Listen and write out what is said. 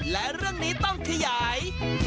และเรื่องนี้ต้องขยาย